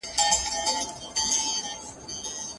ګلي !